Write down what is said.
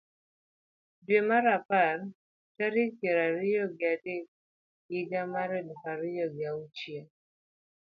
dwe mar apar tarik piero ariyo ga dek higa mar aluf ariyo gi auchiel ,